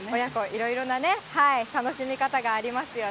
いろいろなね、楽しみ方がありますよね。